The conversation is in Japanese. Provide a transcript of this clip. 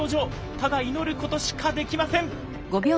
ただ祈ることしかできません。